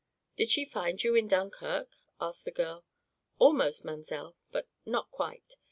"Did she find you in Dunkirk?" asked the girl. "Almost, mamselle, but not quite.